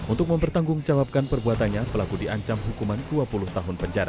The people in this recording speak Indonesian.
untuk mempertanggungjawabkan perbuatannya pelaku diancam hukuman dua puluh tahun penjara